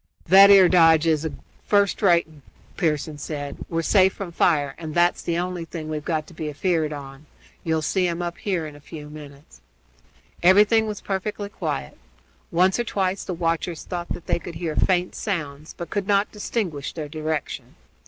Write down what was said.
"That 'ere dodge is a first rate un," Pearson said. "We're safe from fire, and that's the only thing we've got to be afeared on. You'll see 'em up here in a few minutes." Everything was perfectly quiet. Once or twice the watchers thought that they could hear faint sounds, but could not distinguish their direction.